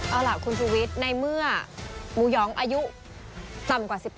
เอาล่ะคุณชูวิทย์ในเมื่อหมูหยองอายุต่ำกว่า๑๘